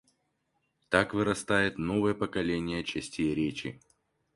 Так вырастает новое поколение частей речи.